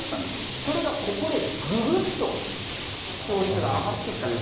それがここでぐぐっと勝率が上がってきた。